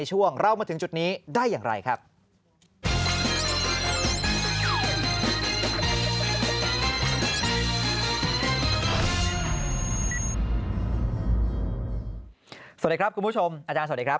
สวัสดีครับคุณผู้ชมอาจารย์สวัสดีครับ